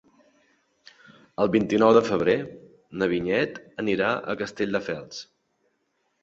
El vint-i-nou de febrer na Vinyet anirà a Castelldefels.